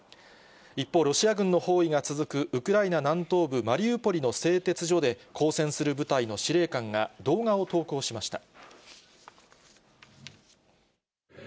一方、ロシア軍の包囲が続くウクライナ南東部マリウポリの製鉄所で抗戦する部隊の司令官が、動画を投稿しました。